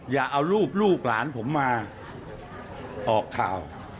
อย่าเอารูปลูกหลานผมมาออกข่าว